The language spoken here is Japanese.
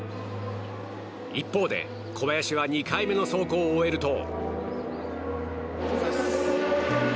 一方で小林は２回目の走行を終えると。